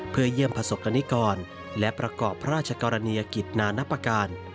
เพื่อเยี่ยมประสบกรณิกรและประกอบพระราชกรณียกิจนานับประการ